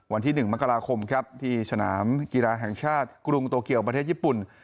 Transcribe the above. วันที่๑มกราคมครับที่สนามกีฬาแห่งชาติกรุงโตเกียวประเทศญี่ปุ่น